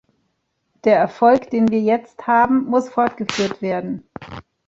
Der Erfolg, den wir jetzt haben, muss fortgeführt werden!